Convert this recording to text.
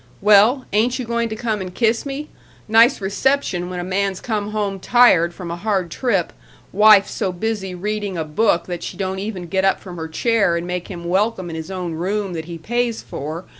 Well, ain't you going to come and kiss me? Nice reception when a man's come home tired from a hard trip wife so busy reading a book that she don't even get up from her chair and make him welcome in his own room that he pays for.